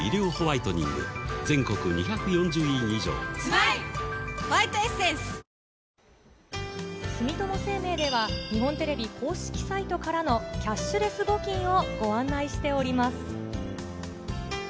ｈｏｙｕ住友生命では、日本テレビ公式サイトからのキャッシュレス募金をご案内しております。